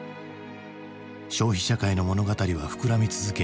消費社会の物語は膨らみ続け